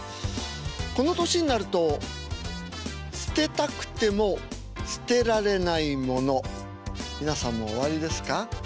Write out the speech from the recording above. この年になると捨てたくても捨てられないもの皆さんもおありですか？